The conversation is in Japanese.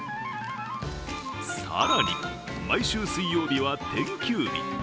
更に毎週水曜日は店休日。